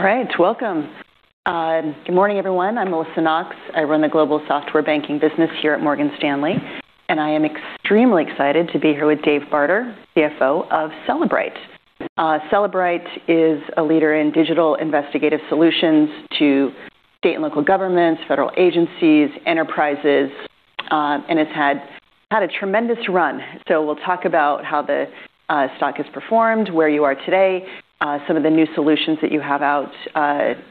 All right. Welcome. Good morning, everyone. I'm Melissa Knox. I run the global software banking business here at Morgan Stanley. I am extremely excited to be here with Dave Barter, CFO of Cellebrite. Cellebrite is a leader in digital investigative solutions to state and local governments, federal agencies, enterprises. It's had a tremendous run. We'll talk about how the stock has performed, where you are today, some of the new solutions that you have out,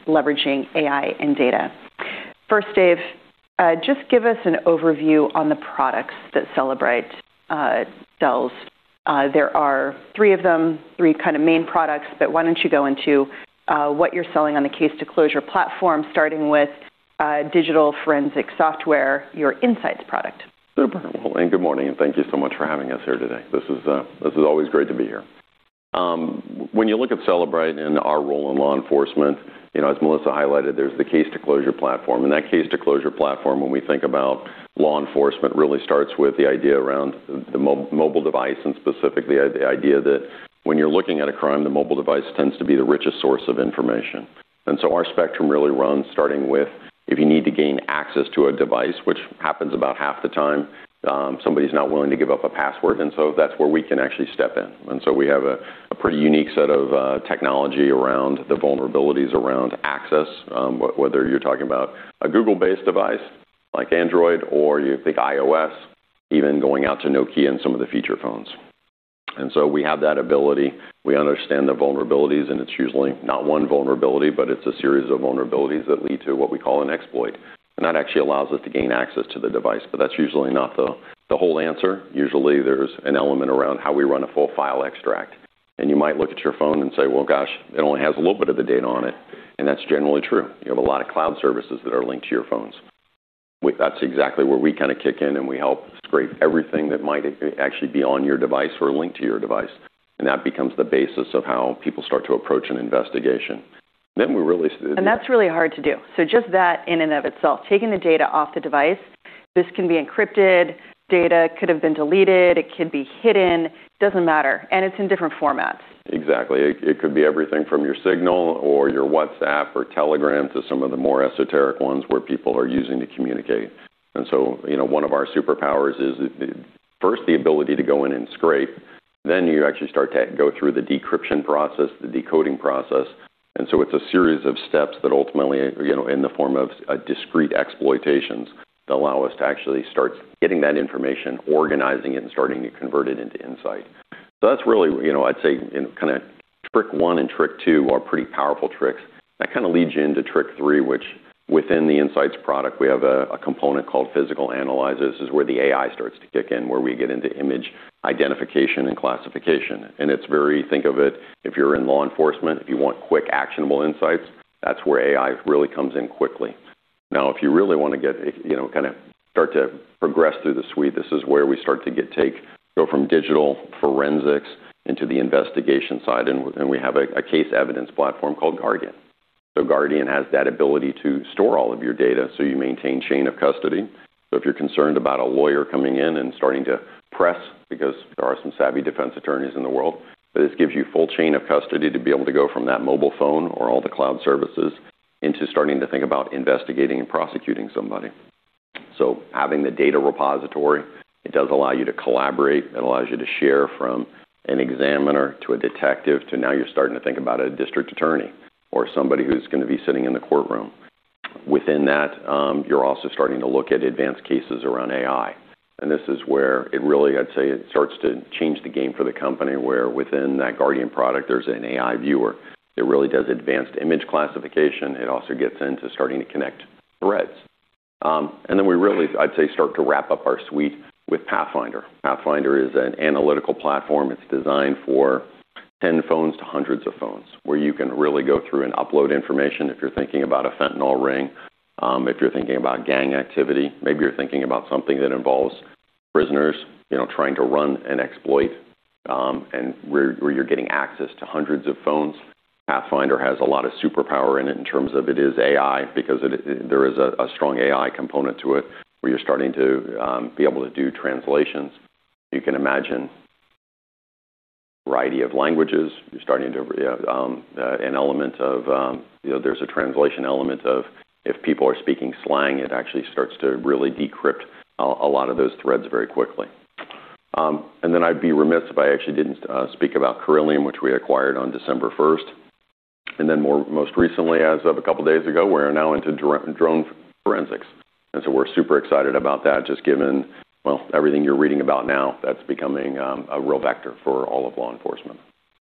leveraging AI and data. First, Dave, just give us an overview on the products that Cellebrite sells. There are three of them, three kind of main products, why don't you go into what you're selling on the Case-to-Closure platform, starting with digital forensic software, your Inseyets product. Super. Well, good morning, and thank you so much for having us here today. This is always great to be here. When you look at Cellebrite and our role in law enforcement, you know, as Melissa highlighted, there's the Case-to-Closure platform. That Case-to-Closure platform, when we think about law enforcement, really starts with the idea around the mobile device and specifically the idea that when you're looking at a crime, the mobile device tends to be the richest source of information. Our spectrum really runs starting with if you need to gain access to a device, which happens about half the time. Somebody's not willing to give up a password, so that's where we can actually step in. We have a pretty unique set of technology around the vulnerabilities around access, whether you're talking about a Google-based device like Android or you think iOS, even going out to Nokia and some of the feature phones. We have that ability. We understand the vulnerabilities, and it's usually not one vulnerability, but it's a series of vulnerabilities that lead to what we call an exploit. That actually allows us to gain access to the device, but that's usually not the whole answer. Usually, there's an element around how we run a full file extract. You might look at your phone and say, "Well, gosh, it only has a little bit of the data on it," and that's generally true. You have a lot of cloud services that are linked to your phones. That's exactly where we kinda kick in, and we help scrape everything that might actually be on your device or linked to your device, and that becomes the basis of how people start to approach an investigation. That's really hard to do. Just that in and of itself, taking the data off the device, this can be encrypted, data could have been deleted, it could be hidden, doesn't matter, and it's in different formats. Exactly. It, it could be everything from your Signal or your WhatsApp or Telegram to some of the more esoteric ones where people are using to communicate. You know, one of our superpowers is first the ability to go in and scrape, then you actually start to go through the decryption process, the decoding process, it's a series of steps that ultimately, you know, in the form of a discrete exploitations that allow us to actually start getting that information, organizing it, and starting to convert it into insight. That's really, you know, I'd say in kinda trick one and trick two are pretty powerful tricks. That kinda leads you into trick three, which within the Insights product, we have a component called Physical Analyzer. This is where the AI starts to kick in, where we get into image identification and classification. Think of it, if you're in law enforcement, if you want quick, actionable insights, that's where AI really comes in quickly. If you really wanna get, you know, kinda start to progress through the suite, this is where we start to take, go from digital forensics into the investigation side, and we have a case evidence platform called Guardian. Guardian has that ability to store all of your data so you maintain chain of custody. If you're concerned about a lawyer coming in and starting to press because there are some savvy defense attorneys in the world, this gives you full chain of custody to be able to go from that mobile phone or all the cloud services into starting to think about investigating and prosecuting somebody. Having the data repository, it does allow you to collaborate. It allows you to share from an examiner to a detective to now you're starting to think about a district attorney or somebody who's gonna be sitting in the courtroom. Within that, you're also starting to look at advanced cases around AI. This is where it really, I'd say, it starts to change the game for the company, where within that Guardian product, there's an AI viewer that really does advanced image classification. It also gets into starting to connect threads. Then we really, I'd say, start to wrap up our suite with Pathfinder. Pathfinder is an analytical platform. It's designed for 10 phones to hundreds of phones, where you can really go through and upload information if you're thinking about a fentanyl ring, if you're thinking about gang activity, maybe you're thinking about something that involves prisoners, you know, trying to run an exploit, and where you're getting access to hundreds of phones. Cellebrite Pathfinder has a lot of superpower in it in terms of it is AI because it, there is a strong AI component to it, where you're starting to be able to do translations. You can imagine variety of languages. You're starting to an element of, you know, there's a translation element of if people are speaking slang, it actually starts to really decrypt a lot of those threads very quickly. Then I'd be remiss if I actually didn't speak about Corellium, which we acquired on December 1st. Then more, most recently, as of a couple days ago, we're now into Drone Forensics. So we're super excited about that, just given, well, everything you're reading about now, that's becoming a real vector for all of law enforcement.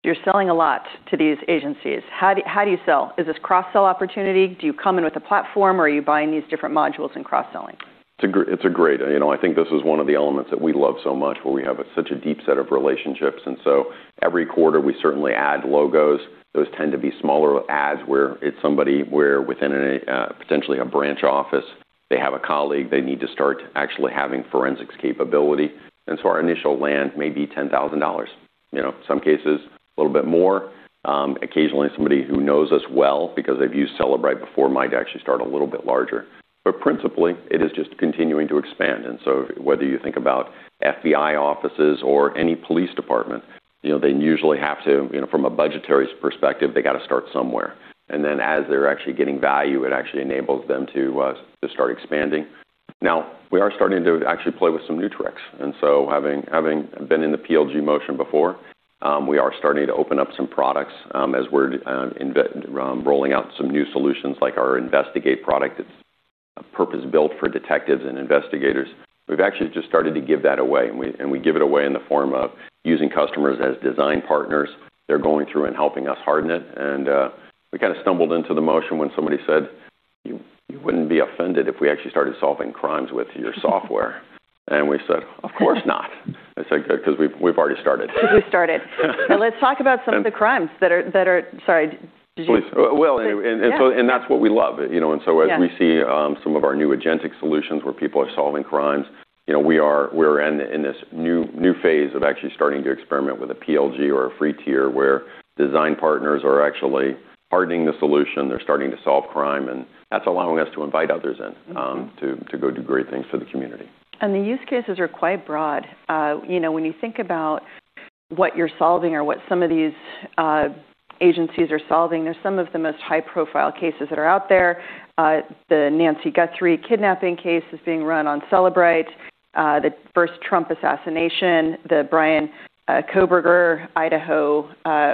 You're selling a lot to these agencies. How do you sell? Is this cross-sell opportunity? Do you come in with a platform, or are you buying these different modules and cross-selling? It's a great. You know, I think this is one of the elements that we love so much, where we have such a deep set of relationships. Every quarter, we certainly add logos. Those tend to be smaller adds, where it's somebody where within a potentially a branch office, they have a colleague, they need to start actually having forensics capability. Our initial land may be $10,000. You know, some cases a little bit more. Occasionally somebody who knows us well because they've used Cellebrite before might actually start a little bit larger. Principally, it is just continuing to expand. Whether you think about FBI offices or any police department, you know, they usually have to, you know, from a budgetary perspective, they gotta start somewhere. As they're actually getting value, it actually enables them to to start expanding. We are starting to actually play with some new tricks. Having, having been in the PLG motion before, we are starting to open up some products as we're rolling out some new solutions like our Investigate product. It's purpose-built for detectives and investigators. We've actually just started to give that away, and we, and we give it away in the form of using customers as design partners. They're going through and helping us harden it, and we kinda stumbled into the motion when somebody said, "You, you wouldn't be offended if we actually started solving crimes with your software?" We said, "Of course not." I said, "'cause we've already started. We've started. Now let's talk about some of the crimes. Sorry. Please. Well, and so-. Yeah -and that's what we love, you know? Yeah we see, some of our new agentic solutions where people are solving crimes, you know, we are in this new phase of actually starting to experiment with a PLG or a free tier where design partners are actually hardening the solution. They're starting to solve crime, and that's allowing us to invite others in- Mm-hmm -to go do great things for the community. The use cases are quite broad. You know, when you think about what you're solving or what some of these agencies are solving, they're some of the most high-profile cases that are out there. The Nancy Guthrie kidnapping case is being run on Cellebrite, the first Trump assassination, the Bryan Kohberger, Idaho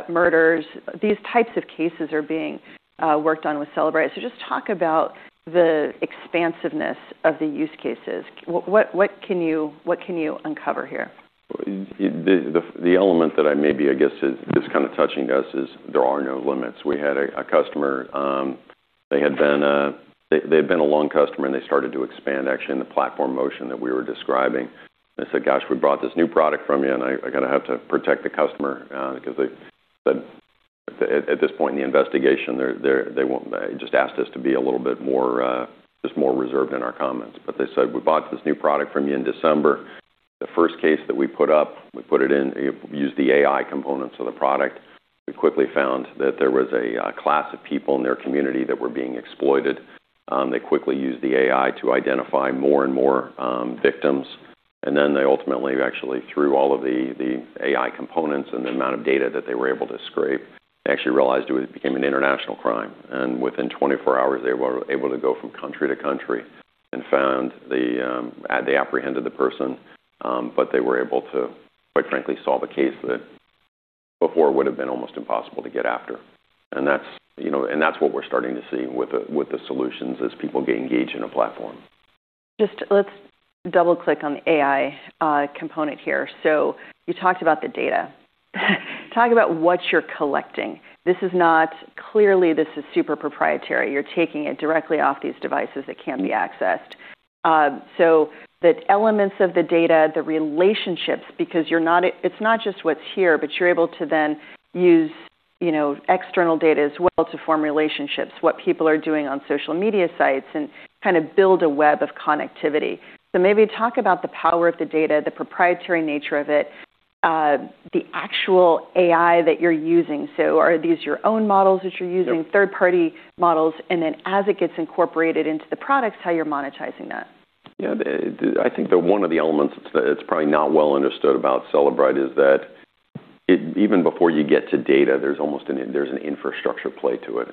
murders. These types of cases are being worked on with Cellebrite. Just talk about the expansiveness of the use cases. What can you uncover here? The element that I maybe I guess is kinda touching us is there are no limits. We had a customer, they had been a long customer, they started to expand actually in the platform motion that we were describing. They said, "Gosh, we bought this new product from you," I kinda have to protect the customer because they said at this point in the investigation, they just asked us to be a little bit more just more reserved in our comments. They said, "We bought this new product from you in December. The first case that we put up, we put it in, used the AI components of the product. We quickly found that there was a class of people in their community that were being exploited. They quickly used the AI to identify more and more victims, and then they ultimately actually, through all of the AI components and the amount of data that they were able to scrape, they actually realized it became an international crime. Within 24 hours, they were able to go from country to country and found the, they apprehended the person, but they were able to, quite frankly, solve a case that before would've been almost impossible to get after. That's, you know, and that's what we're starting to see with the, with the solutions as people get engaged in a platform. Just let's double-click on the AI component here. You talked about the data. Talk about what you're collecting. Clearly, this is super proprietary. You're taking it directly off these devices that can be accessed. The elements of the data, the relationships, because you're not it's not just what's here, but you're able to then use, you know, external data as well to form relationships, what people are doing on social media sites and kinda build a web of connectivity. Maybe talk about the power of the data, the proprietary nature of it, the actual AI that you're using. Are these your own models that you're using? Yep. Third-party models, and then as it gets incorporated into the products, how you're monetizing that. Yeah. I think that one of the elements that's probably not well understood about Cellebrite is that even before you get to data, there's almost an infrastructure play to it.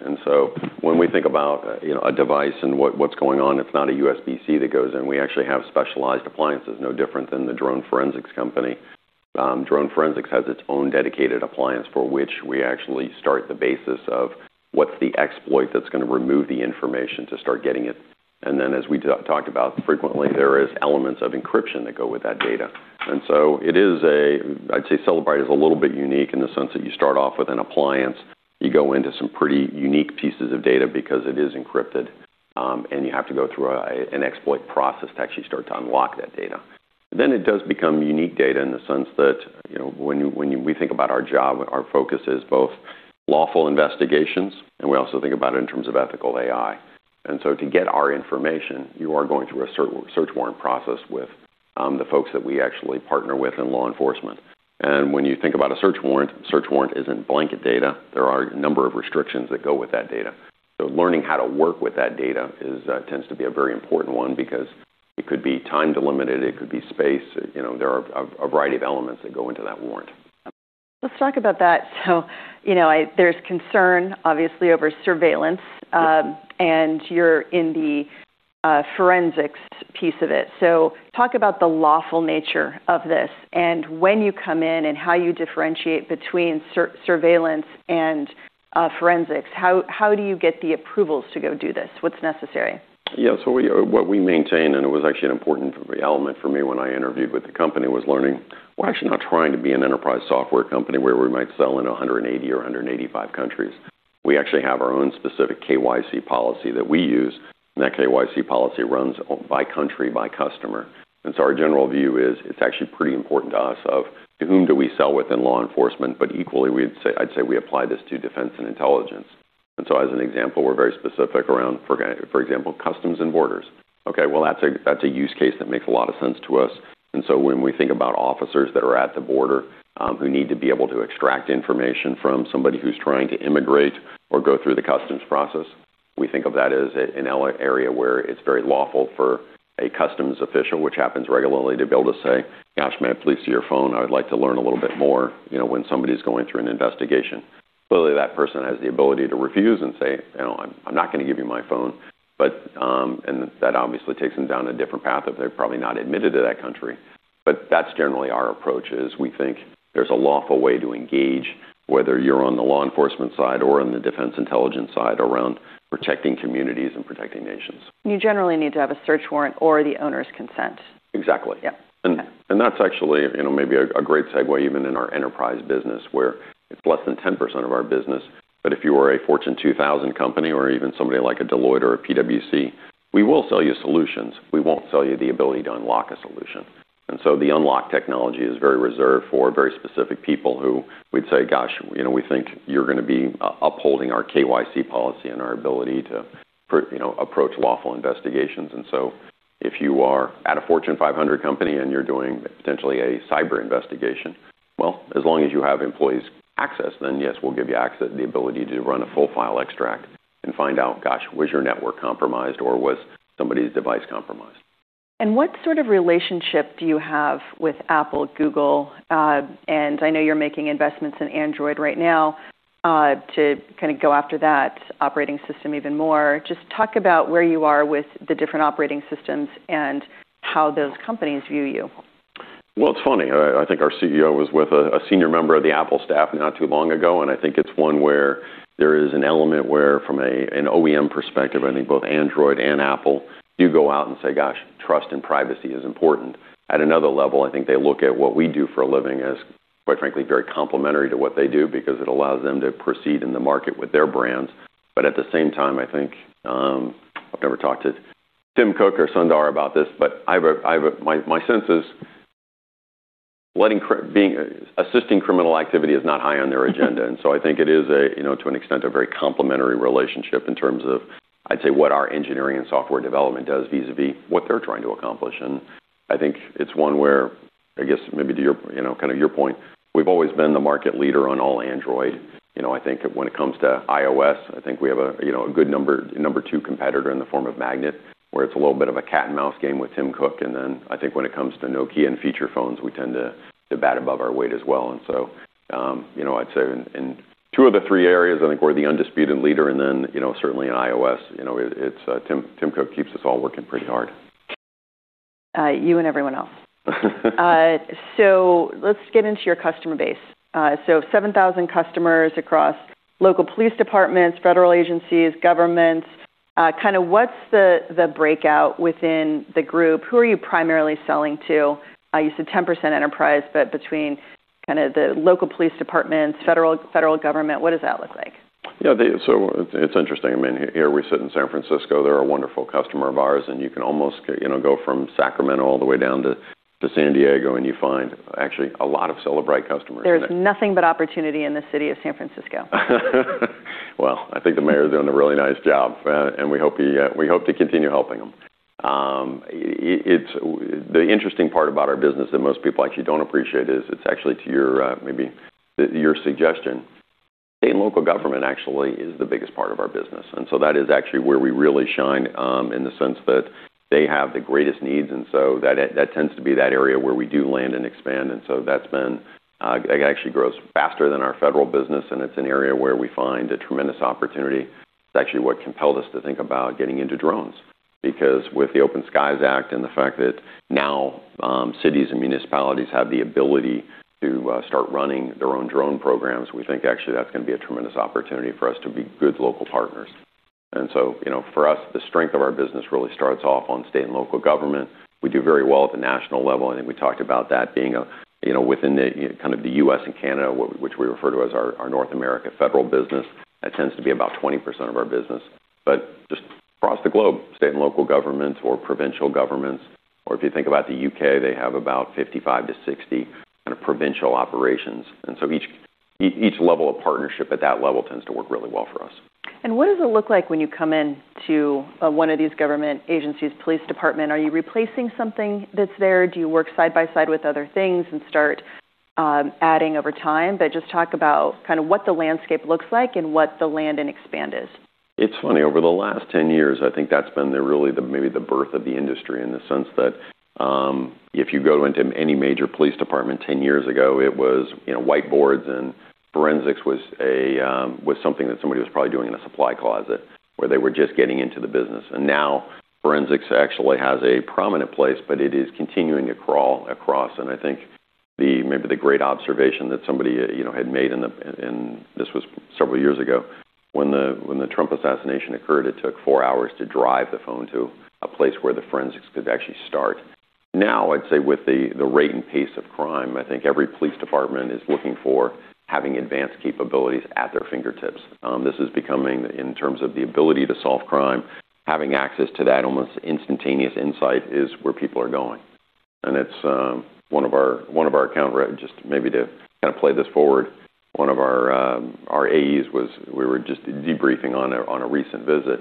When we think about, you know, a device and what's going on, it's not a USB-C that goes in. We actually have specialized appliances, no different than the Drone Forensics company. Drone Forensics has its own dedicated appliance for which we actually start the basis of what's the exploit that's gonna remove the information to start getting it. As we talk about frequently, there is elements of encryption that go with that data. It is a, I'd say Cellebrite is a little bit unique in the sense that you start off with an appliance. You go into some pretty unique pieces of data because it is encrypted, and you have to go through an exploit process to actually start to unlock that data. It does become unique data in the sense that, you know, when we think about our job, our focus is both lawful investigations, and we also think about it in terms of ethical AI. To get our information, you are going through a search warrant process with the folks that we actually partner with in law enforcement. When you think about a search warrant, a search warrant isn't blanket data. There are a number of restrictions that go with that data. Learning how to work with that data is tends to be a very important one because it could be time delimited, it could be space. You know, there are a variety of elements that go into that warrant. Let's talk about that. You know, there's concern obviously over surveillance. Yep. You're in the forensics piece of it. Talk about the lawful nature of this and when you come in and how you differentiate between surveillance and forensics. How do you get the approvals to go do this? What's necessary? Yeah. We, what we maintain, and it was actually an important element for me when I interviewed with the company, was learning we're actually not trying to be an enterprise software company where we might sell in 180 or 185 countries. We actually have our own specific KYC policy that we use, and that KYC policy runs by country, by customer. Our general view is it's actually pretty important to us of to whom do we sell within law enforcement, but equally, I'd say we apply this to defense and intelligence. As an example, we're very specific around, for example, Customs and Borders. Okay, well, that's a use case that makes a lot of sense to us. When we think about officers that are at the border, who need to be able to extract information from somebody who's trying to immigrate or go through the customs process. We think of that as an area where it's very lawful for a customs official, which happens regularly, to be able to say, "Gosh, may I please see your phone? I would like to learn a little bit more," you know, when somebody's going through an investigation. Clearly, that person has the ability to refuse and say, "No, I'm not gonna give you my phone." That obviously takes them down a different path if they're probably not admitted to that country. That's generally our approach, is we think there's a lawful way to engage, whether you're on the law enforcement side or on the defense intelligence side, around protecting communities and protecting nations. You generally need to have a search warrant or the owner's consent. Exactly. Yeah. Okay. That's actually, you know, maybe a great segue even in our enterprise business, where it's less than 10% of our business. If you are a Fortune 2,000 company, or even somebody like a Deloitte or a PwC, we will sell you solutions. We won't sell you the ability to unlock a solution. The unlock technology is very reserved for very specific people who we'd say, "Gosh, you know, we think you're gonna be upholding our KYC policy and our ability to, you know, approach lawful investigations." If you are at a Fortune 500 company, and you're doing potentially a cyber investigation, well, as long as you have employees' access, then yes, we'll give you access and the ability to run a full file extract and find out, gosh, was your network compromised or was somebody's device compromised? What sort of relationship do you have with Apple, Google, and I know you're making investments in Android right now, to kinda go after that operating system even more? Just talk about where you are with the different operating systems and how those companies view you. Well, it's funny. I think our CEO was with a senior member of the Apple staff not too long ago, and I think it's one where there is an element where from an OEM perspective, I think both Android and Apple do go out and say, "Gosh, trust and privacy is important." At another level, I think they look at what we do for a living as, quite frankly, very complementary to what they do because it allows them to proceed in the market with their brands. At the same time, I think, I've never talked to Tim Cook or Sundar about this, but My sense is letting being assisting criminal activity is not high on their agenda. I think it is a, you know, to an extent, a very complementary relationship in terms of, I'd say, what our engineering and software development does vis-a-vis what they're trying to accomplish. I think it's one where, I guess maybe to your, you know, kind of your point, we've always been the market leader on all Android. You know, I think when it comes to iOS, I think we have a, you know, a good number two competitor in the form of Magnet, where it's a little bit of a cat and mouse game with Tim Cook. I think when it comes to Nokia and feature phones, we tend to bat above our weight as well. You know, I'd say in two of the three areas, I think we're the undisputed leader. You know, certainly in iOS, you know, it's, Tim Cook keeps us all working pretty hard. You and everyone else. Let's get into your customer base. 7,000 customers across local police departments, federal agencies, governments. Kinda what's the breakout within the group? Who are you primarily selling to? You said 10% enterprise, but between kinda the local police departments, federal government, what does that look like? Yeah, it's interesting. I mean, here we sit in San Francisco. They're a wonderful customer of ours, and you can almost, you know, go from Sacramento all the way down to San Diego, and you find actually a lot of Cellebrite customers. There is nothing but opportunity in the city of San Francisco. Well, I think the mayor's doing a really nice job, and we hope he, we hope to continue helping him. The interesting part about our business that most people actually don't appreciate is it's actually to your, maybe your suggestion. State and local government actually is the biggest part of our business, that is actually where we really shine, in the sense that they have the greatest needs. That tends to be that area where we do land and expand. That's been, again, actually grows faster than our federal business, and it's an area where we find a tremendous opportunity. It's actually what compelled us to think about getting into drones. With the Open Skies Act and the fact that now, cities and municipalities have the ability to start running their own drone programs, we think actually that's gonna be a tremendous opportunity for us to be good local partners. You know, for us, the strength of our business really starts off on state and local government. We do very well at the national level, and I think we talked about that being a, you know, within the, kind of the U.S. and Canada, which we refer to as our North America federal business. That tends to be about 20% of our business. Just across the globe, state and local governments or provincial governments, or if you think about the U.K., they have about 55-60 kind of provincial operations. Each level of partnership at that level tends to work really well for us. What does it look like when you come in to one of these government agencies, police department? Are you replacing something that's there? Do you work side by side with other things and start adding over time? Just talk about kinda what the landscape looks like and what the land and expand is. It's funny, over the last 10 years, I think that's been the really, the maybe the birth of the industry in the sense that, if you go into any major police department 10 years ago, it was, you know, whiteboards, and forensics was a, was something that somebody was probably doing in a supply closet, where they were just getting into the business. Now forensics actually has a prominent place, but it is continuing to crawl across. I think the, maybe the great observation that somebody, you know, had made in the, this was several years ago. When the Trump assassination occurred, it took four hours to drive the phone to a place where the forensics could actually start. I'd say with the rate and pace of crime, I think every police department is looking for having advanced capabilities at their fingertips. This is becoming, in terms of the ability to solve crime, having access to that almost instantaneous insight is where people are going. It's one of our account, right, just maybe to kind of play this forward, one of our AEs was, we were just debriefing on a recent visit.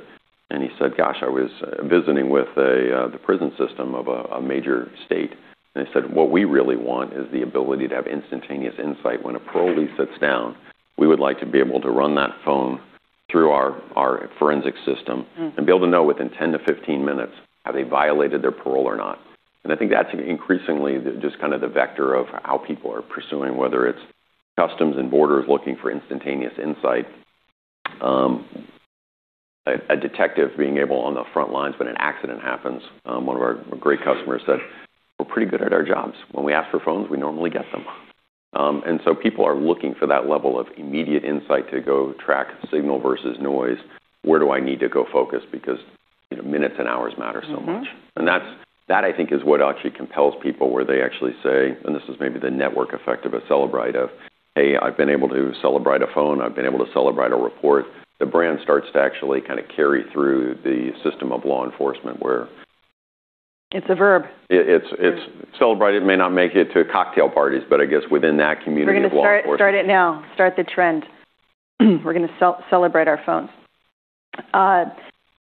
He said, "Gosh, I was visiting with the prison system of a major state." They said, "What we really want is the ability to have instantaneous insight. When a parolee sits down, we would like to be able to run that phone through our forensic system. Mm. And be able to know within 10-15 minutes have they violated their parole or not." I think that's increasingly the, just kind of the vector of how people are pursuing, whether it's Customs and Borders looking for instantaneous insight, a detective being able on the front lines when an accident happens. One of our great customers said, "We're pretty good at our jobs. When we ask for phones, we normally get them." So people are looking for that level of immediate insight to go track signal versus noise, where do I need to go focus because, you know, minutes and hours matter so much. Mm-hmm. That I think is what actually compels people where they actually say, and this is maybe the network effect of a Cellebrite of, "Hey, I've been able to Cellebrite a phone. I've been able to Cellebrite a report." The brand starts to actually kind of carry through the system of law enforcement. It's a verb. It's Cellebrite, it may not make it to cocktail parties, but I guess within that community of law enforcement. We're gonna start it now. Start the trend. We're gonna Cellebrite our phones.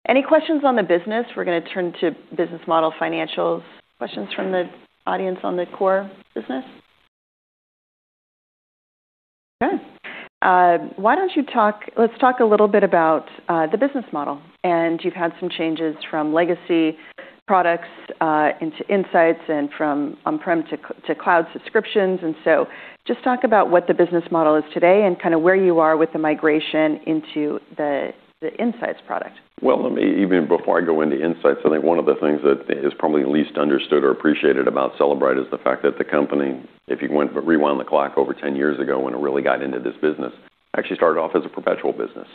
Any questions on the business? We're gonna turn to business model financials. Questions from the audience on the core business? Good. Why don't you talk. Let's talk a little bit about the business model. You've had some changes from legacy products, into Inseyets and from on-prem to cloud subscriptions. Just talk about what the business model is today and kinda where you are with the migration into the Inseyets product. Well, even before I go into insights, I think one of the things that is probably least understood or appreciated about Cellebrite is the fact that the company, rewind the clock over 10 years ago when it really got into this business, actually started off as a perpetual business.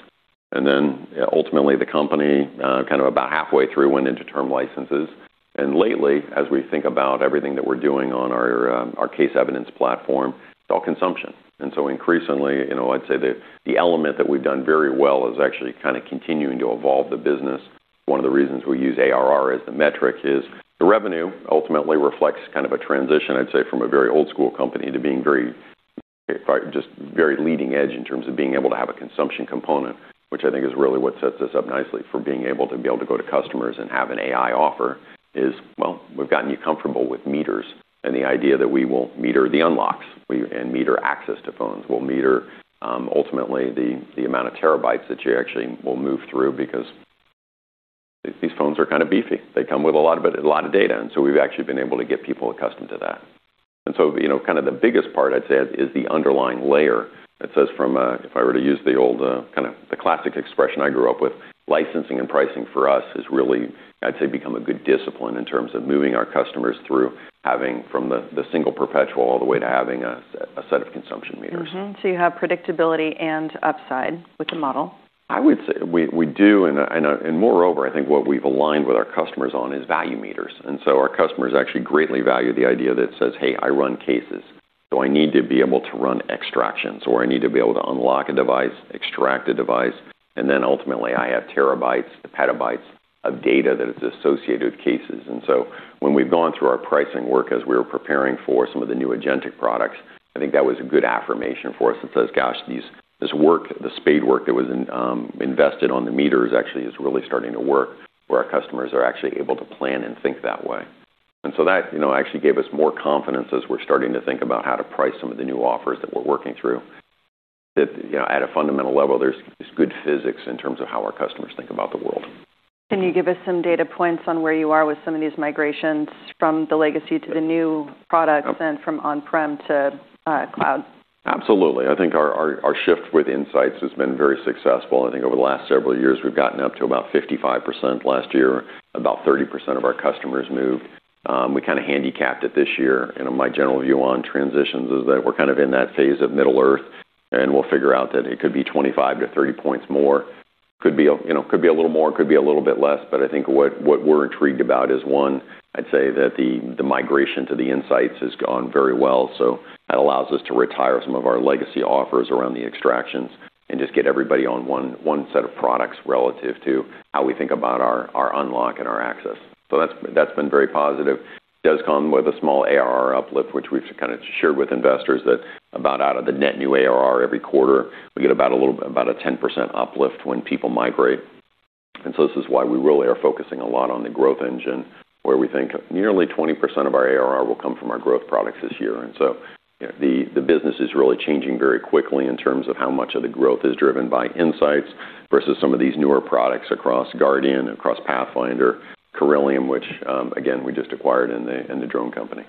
Ultimately, the company, kind of about halfway through went into term licenses. Lately, as we think about everything that we're doing on our case evidence platform, it's all consumption. Increasingly, you know, I'd say the element that we've done very well is actually kinda continuing to evolve the business. One of the reasons we use ARR as the metric is the revenue ultimately reflects kind of a transition, I'd say, from a very old school company to being very, just very leading edge in terms of being able to have a consumption component, which I think is really what sets us up nicely for being able to go to customers and have an AI offer is, well, we've gotten you comfortable with meters and the idea that we will meter the unlocks. Meter access to phones. We'll meter ultimately the amount of terabytes that you actually will move through because these phones are kind of beefy. They come with a lot of it, a lot of data, we've actually been able to get people accustomed to that. You know, kind of the biggest part I'd say is the underlying layer that says from, if I were to use the old, kind of the classic expression I grew up with, licensing and pricing for us has really, I'd say, become a good discipline in terms of moving our customers through having from the single perpetual all the way to having a set of consumption meters. Mm-hmm. You have predictability and upside with the model. I would say we do, and moreover, I think what we've aligned with our customers on is value meters. Our customers actually greatly value the idea that says, "Hey, I run cases, so I need to be able to run extractions, or I need to be able to unlock a device, extract a device, and then ultimately I have terabytes to petabytes of data that is associated with cases." When we've gone through our pricing work as we were preparing for some of the new agentic products, I think that was a good affirmation for us that says, "Gosh, this work, the spade work that was invested on the meters actually is really starting to work, where our customers are actually able to plan and think that way." That, you know, actually gave us more confidence as we're starting to think about how to price some of the new offers that we're working through. That, you know, at a fundamental level, there's good physics in terms of how our customers think about the world. Can you give us some data points on where you are with some of these migrations from the legacy to the new products- Yep. -from on-prem to cloud? Absolutely. I think our shift with Inseyets has been very successful. I think over the last several years, we've gotten up to about 55%. Last year, about 30% of our customers moved. We kind of handicapped it this year. My general view on transitions is that we're kind of in that phase of Middle-earth, and we'll figure out that it could be 25-30 points more. Could be, you know, a little more, could be a little bit less. I think what we're intrigued about is, one, I'd say that the migration to the Inseyets has gone very well. That allows us to retire some of our legacy offers around the extractions and just get everybody on one set of products relative to how we think about our unlock and our access. That's been very positive. It does come with a small ARR uplift, which we've kinda shared with investors, that out of the net new ARR every quarter, we get about a 10% uplift when people migrate. This is why we really are focusing a lot on the growth engine, where we think nearly 20% of our ARR will come from our growth products this year. You know, the business is really changing very quickly in terms of how much of the growth is driven by insights versus some of these newer products across Cellebrite Guardian, across Cellebrite Pathfinder, Corellium, which again, we just acquired, and the drone company.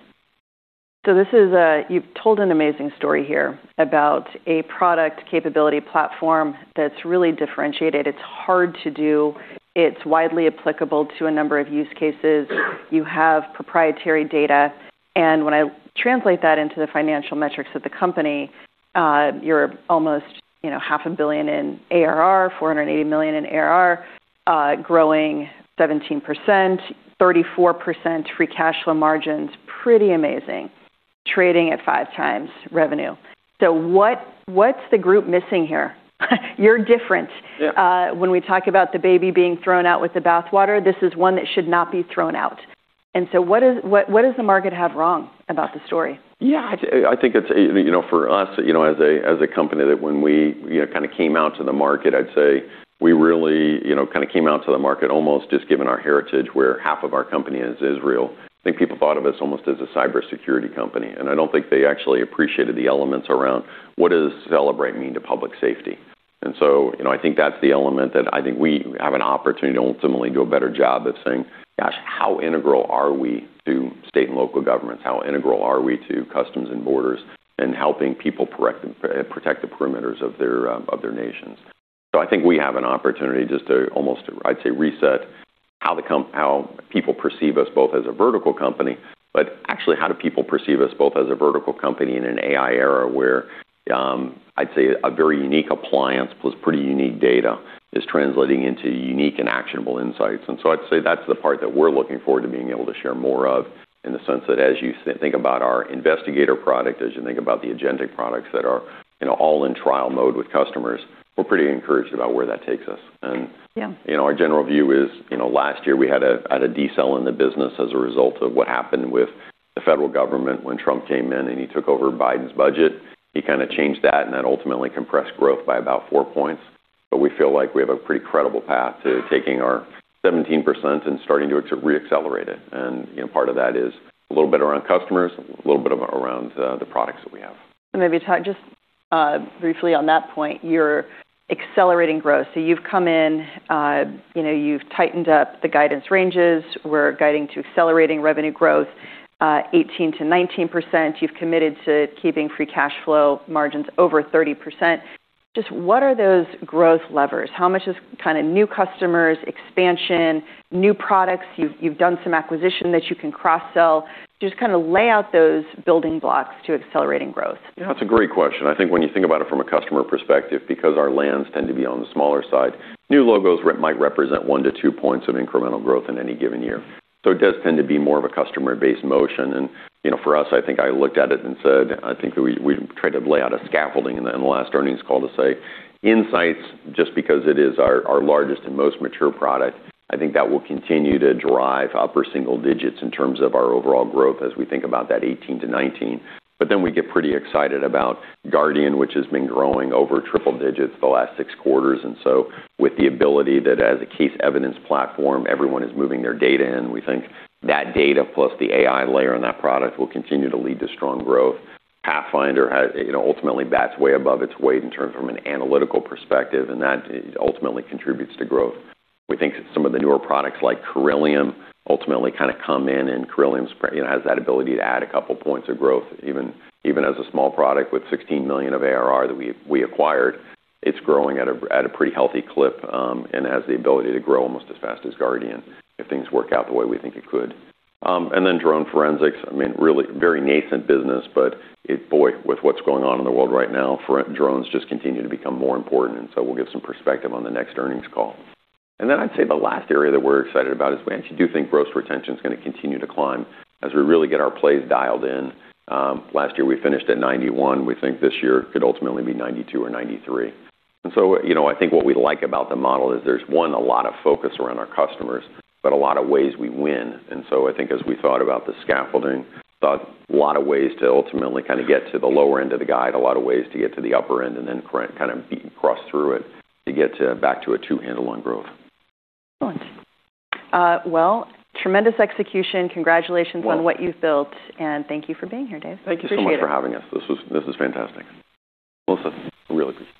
This is, you've told an amazing story here about a product capability platform that's really differentiated. It's hard to do. It's widely applicable to a number of use cases. You have proprietary data, and when I translate that into the financial metrics of the company, you're almost, you know, $500 million in ARR, $480 million in ARR, growing 17%, 34% free cash flow margins. Pretty amazing. Trading at 5x revenue. What's the group missing here? You're different. Yeah. When we talk about the baby being thrown out with the bathwater, this is one that should not be thrown out. What does the market have wrong about the story? Yeah, I think it's, you know, for us, you know, as a, as a company that when we, you know, kinda came out to the market, I'd say we really, you know, kinda came out to the market almost just given our heritage, where half of our company is Israel. I think people thought of us almost as a cybersecurity company, and I don't think they actually appreciated the elements around what does Cellebrite mean to public safety. You know, I think that's the element that I think we have an opportunity to ultimately do a better job of saying, "Gosh, how integral are we to state and local governments? How integral are we to Customs and Borders and helping people protect the perimeters of their, of their nations? I think we have an opportunity just to almost, I'd say, reset how people perceive us both as a vertical company, but actually, how do people perceive us both as a vertical company in an AI era where, I'd say a very unique appliance plus pretty unique data is translating into unique and actionable insights. I'd say that's the part that we're looking forward to being able to share more of in the sense that as you think about our investigator product, as you think about the agentic products that are, you know, all in trial mode with customers, we're pretty encouraged about where that takes us. Yeah. You know, our general view is, you know, last year we had a decel in the business as a result of what happened with the federal government when Trump came in and he took over Biden's budget. He kinda changed that, and that ultimately compressed growth by about four points. We feel like we have a pretty credible path to taking our 17% and starting to re-accelerate it. You know, part of that is a little bit around customers, a little bit around the products that we have. Maybe talk just briefly on that point, you're accelerating growth. You've come in, you know, you've tightened up the guidance ranges. We're guiding to accelerating revenue growth, 18%-19%. You've committed to keeping free cash flow margins over 30%. Just what are those growth levers? How much is kinda new customers, expansion, new products? You've done some acquisition that you can cross-sell. Just kinda lay out those building blocks to accelerating growth? Yeah, that's a great question. I think when you think about it from a customer perspective, because our lands tend to be on the smaller side, new logos might represent 1-2 points of incremental growth in any given year. It does tend to be more of a customer-based motion. You know, for us, I think I looked at it and said, I think we tried to lay out a scaffolding in the last earnings call to say insights just because it is our largest and most mature product. I think that will continue to drive upper single digits in terms of our overall growth as we think about that 18%-19%. We get pretty excited about Guardian, which has been growing over triple digits the last six quarters. With the ability that as a case evidence platform, everyone is moving their data in, we think that data plus the AI layer on that product will continue to lead to strong growth. Pathfinder has, you know, ultimately bats way above its weight in terms from an analytical perspective, and that ultimately contributes to growth. We think some of the newer products like Corellium ultimately kinda come in, and Corellium's, you know, has that ability to add a couple points of growth, even as a small product. With $16 million of ARR that we acquired, it's growing at a pretty healthy clip, and has the ability to grow almost as fast as Guardian if things work out the way we think it could. Drone Forensics, I mean, really very nascent business, but boy, with what's going on in the world right now, drones just continue to become more important, we'll give some perspective on the next earnings call. I'd say the last area that we're excited about is we actually do think gross retention is gonna continue to climb as we really get our plays dialed in. Last year we finished at 91%. We think this year could ultimately be 92% or 93%. You know, I think what we like about the model is there's, one, a lot of focus around our customers, but a lot of ways we win. I think as we thought about the scaffolding, thought a lot of ways to ultimately kind of get to the lower end of the guide, a lot of ways to get to the upper end, and then kind of beat and cross through it to get back to a two-handle on growth. Excellent. Well, tremendous execution. Congratulations- Well- -on what you've built, and thank you for being here, Dave. Appreciate it. Thank you so much for having us. This was fantastic. Melissa, really good.